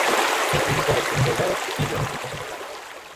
Se incluye correcciones de errores y nuevos tipos soportados.